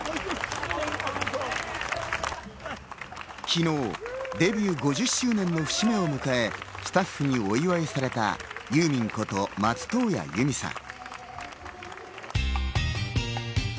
昨日デビュー５０周年の節目を迎え、スタッフにお祝いされたユーミンこと松任谷由実さん。